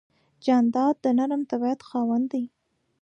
جانداد د نرم طبیعت خاوند دی.